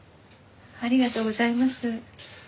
ありがとうございます。